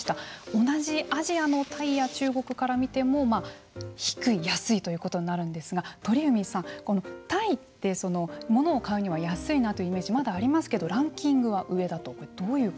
同じアジアのタイや中国から見ても低い、安いということになるんですが鳥海さん、このタイって物を買うには安いなというイメージがまだありますけれどもランキングは上だと。